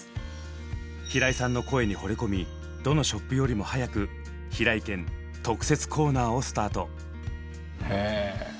平井さんの声にほれ込みどのショップよりも早く平井堅特設コーナーをスタート。